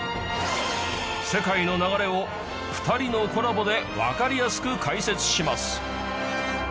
世界の流れを２人のコラボでわかりやすく解説します